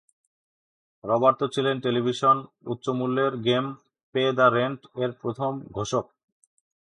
Roberto ছিলেন television উচ্চ-মূল্যের game "Pay the Rent" এর প্রথম ঘোষক।